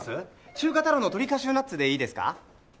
中華太郎の鶏カシューナッツでいいですか？